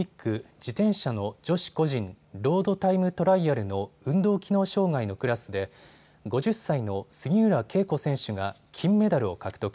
自転車の女子個人ロードタイムトライアルの運動機能障害のクラスで５０歳の杉浦佳子選手が金メダルを獲得。